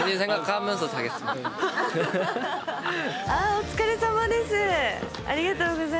お疲れさまです。